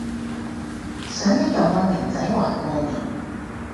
想起舊愛明仔還過電